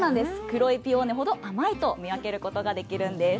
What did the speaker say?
黒いピオーネほど甘いと見分けることができるんです。